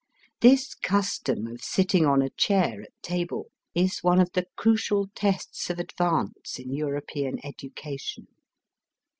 This custom of sitting on a chair at table is one of the crucial tests of advance in European education.